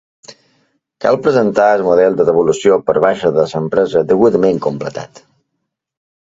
Cal presentar el model de devolució per baixa de l'empresa degudament completat.